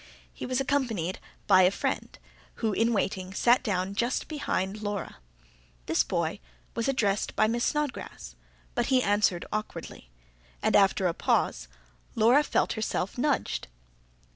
He was accompanied by a friend, who, in waiting, sat down just behind Laura. This boy was addressed by Miss Snodgrass; but he answered awkwardly, and after a pause, Laura felt herself nudged.